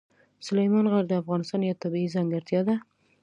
سلیمان غر د افغانستان یوه طبیعي ځانګړتیا ده.